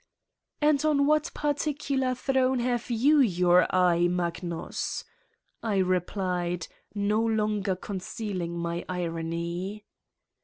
'' And on what particular throne have you your eye, Magnus?" I replied, no longer concealing my irony.